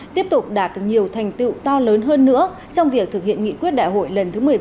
tiếp tục đạt được nhiều thành tựu to lớn hơn nữa trong việc thực hiện nghị quyết đại hội lần thứ một mươi ba